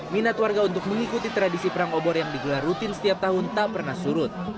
minat warga untuk mengikuti tradisi perang obor yang digelar rutin setiap tahun tak pernah surut